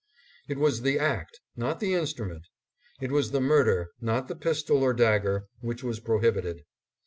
It was the act, not the instrument ; it was the murder, not the pistol or dagger, which was prohibited.